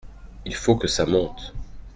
Il faut que ça monte.